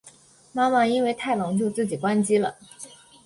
妈妈因为太冷就自己关机了